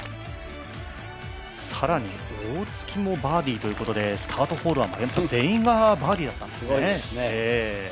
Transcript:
更に大槻もバーディーということでスタートホールは全員がバーディーだったんですね。